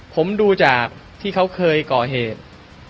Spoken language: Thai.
ผมดูจากที่เขาเคยก่อเหตุ